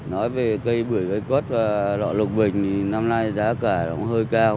nói về cây bưởi cây cốt lọ lục bình thì năm nay giá cả nó hơi cao